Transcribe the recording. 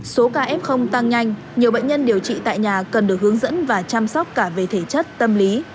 số ca f tăng nhanh nhiều bệnh nhân điều trị tại nhà cần được hướng dẫn và chăm sóc cả về thể chất tâm lý